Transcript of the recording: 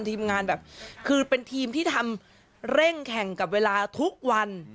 ทีมงานแบบคือเป็นทีมที่ทำเร่งแข่งกับเวลาทุกวัน